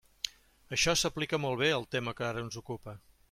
Això s'aplica molt bé al tema que ara ens ocupa.